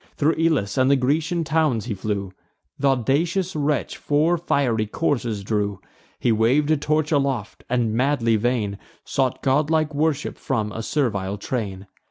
Thro' Elis and the Grecian towns he flew; Th' audacious wretch four fiery coursers drew: He wav'd a torch aloft, and, madly vain, Sought godlike worship from a servile train.